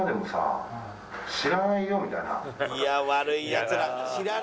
いや悪いヤツら。